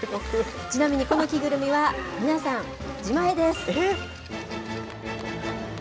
ちなみにこの着ぐるみは、皆さん、自前です。